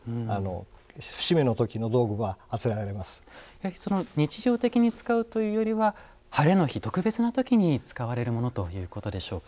やはり日常的に使うというよりはハレの日特別な時に使われるものということでしょうか？